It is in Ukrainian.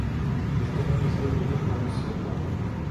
Тільки от не розберу, якому святому.